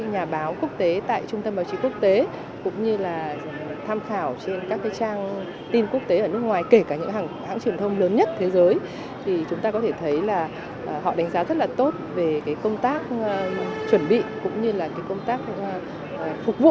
họ đánh giá rất là tốt về công tác chuẩn bị cũng như công tác phục vụ